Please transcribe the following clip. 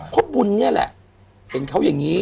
เพราะบุญเนี่ยแหละเป็นเขาอย่างนี้